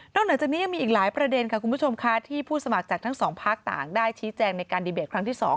นอกจากนี้ก็มีหลายประเด็นที่ผู้สมัครจากทั้งสองภาคต่างได้ชี้แจงในการดีเบสครั้งสอง